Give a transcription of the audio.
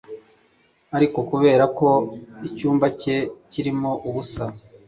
Ariko kubera ko icyumba cye kirimo ubusa